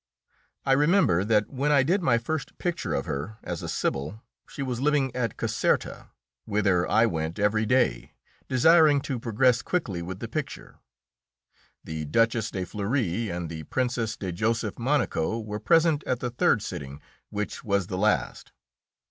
I remember that when I did my first picture of her, as a sibyl, she was living at Caserta, whither I went every day, desiring to progress quickly with the picture. The Duchess de Fleury and the Princess de Joseph Monaco were present at the third sitting, which was the last.